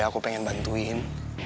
aku pengen bantuin